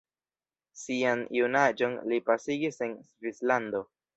Sian junaĝon li pasigis en Svislando.